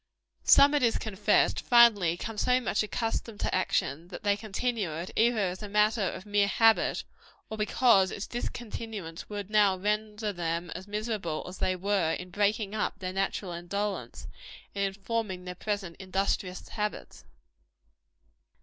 Some, it is confessed, finally become so much accustomed to action, that they continue it, either as a matter of mere habit, or because its discontinuance would now render them as miserable as they were in breaking up their natural indolence, and in forming their present industrious habits.